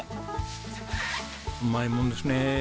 うまいもんですね。